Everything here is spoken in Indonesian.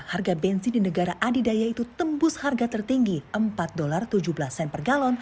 apa pun yang terjadi di ukraina